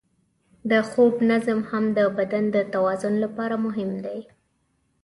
د خوب نظم هم د بدن د توازن لپاره مهم دی.